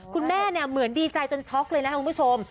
คุณแม่เหมือนดีใจจนช็อกเลยนะคุณผู้ชม